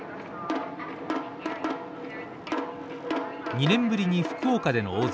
２年ぶりに福岡での大相撲。